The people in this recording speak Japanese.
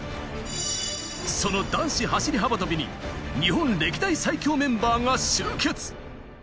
その男子走り幅跳びに日本歴代最強メンバーが集結。